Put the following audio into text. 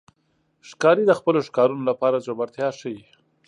ښکاري د خپلو ښکارونو لپاره زړورتیا ښيي.